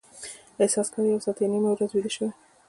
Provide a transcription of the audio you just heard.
احساس کاوه یو ساعت یا نیمه ورځ ویده شوي.